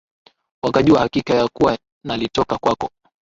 wakajua hakika ya kuwa nalitoka kwako